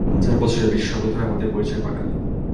হাজার বছরের বেশি সময় ধরে আমাদের পরিচয় বাঙালি।